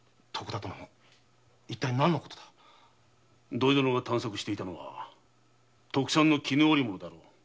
土井殿が探索していたのは特産の絹織物だ。